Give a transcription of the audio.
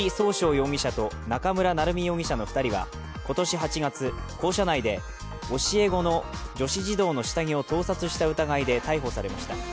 容疑者と中村成美容疑者の２人は今年８月校舎内で教え子の女子児童の下着を盗撮した疑いで逮捕されました。